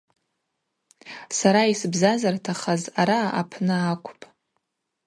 Сара йсбзазартахаз араъа апны акӏвпӏ.